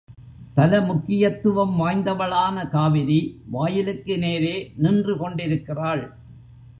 தல முக்கியத்துவம் வாய்ந்தவளான காவிரி வாயிலுக்கு நேரே நின்று கொண்டிருக்கிறாள்.